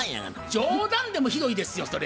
冗談でもひどいですよそれ。